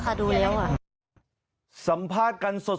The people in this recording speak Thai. เค้าก็น่าจะเพราะมีเส้นมีสาย